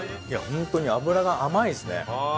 本当に脂が甘いですね。